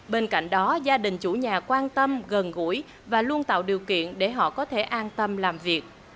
bên cạnh đó gia đình chủ nhà quan tâm gần gũi và luôn tạo điều kiện để họ có thể an tâm làm việc